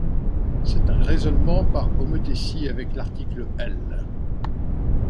C’est un raisonnement par homothétie avec l’article L.